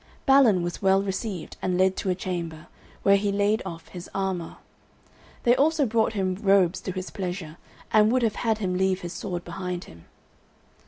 Balin was well received, and led to a chamber, where he laid off his armour. They also brought him robes to his pleasure, and would have had him leave his sword behind him.